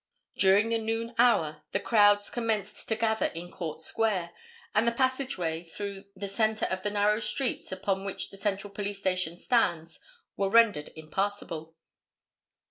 During the noon hour the crowds commenced to gather in Court Square, and the passageway through the centre of the narrow streets upon which the Central Police Station stands was rendered impassable.